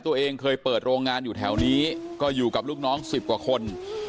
ตัวเองเคยเปิดโรงงานอยู่แถวนี้ก็อยู่กับลูกน้อง๑๐กว่าคน